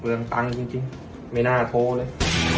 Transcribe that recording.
เมืองตังค์จริงไม่น่าโทรเลย